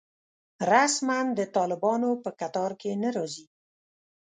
رسماً د طالبانو په کتار کې نه راځي.